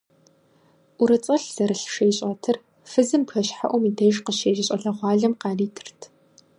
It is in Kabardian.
ӀурыцӀэлъ зэрылъ шейщӀэтыр фызым бжэщхьэӀум и деж къыщежьэ щӀалэгъуалэм къаритырт.